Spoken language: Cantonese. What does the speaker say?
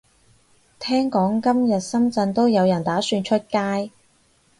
聽講今日深圳都有人打算出街